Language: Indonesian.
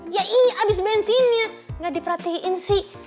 ya iya abis bensinnya nggak diperhatiin sih